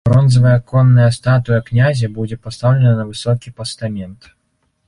Бронзавая конная статуя князя будзе пастаўлена на высокі пастамент.